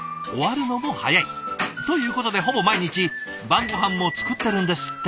ということでほぼ毎日晩ごはんも作ってるんですって。